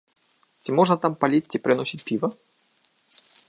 Ці можна там паліць ці прыносіць піва?